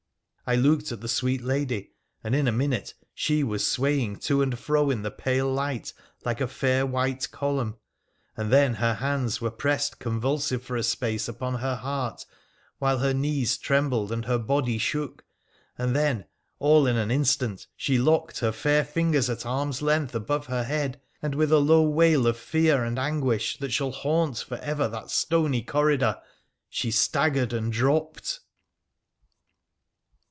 I looked at the sweet lady, and in a minute she was swaying to and fro in the pale light like a fair white column, and then her hands were pressed convulsive for a space upon her heart, while her knees trembled and her body shook, and then, all in an instant, she locked her fair fingers at arm's length above her head, and, with a long low wail of fear and anguish that shall haunt for ever that stony corridor, she staggered and dropped